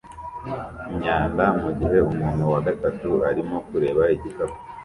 imyanda mugihe umuntu wa gatatu arimo kureba igikapu